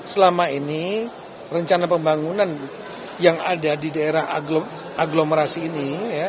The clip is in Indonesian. selama ini rencana pembangunan yang ada di daerah aglomerasi ini